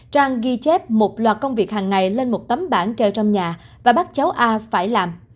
trang ghi chép một loạt công việc hàng ngày lên một tấm bản treo trong nhà và bắt cháu a phải làm